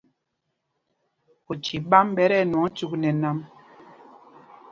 Oci ɓām ɓɛ ti ɛnwɔŋ cyûk nɛ nam.